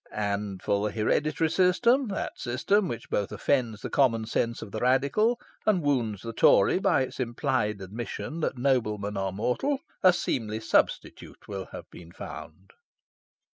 And for the hereditary system that system which both offends the common sense of the Radical, and wounds the Tory by its implied admission that noblemen are mortal a seemly substitute will have been found."